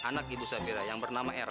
anak ibu sabira yang bernama era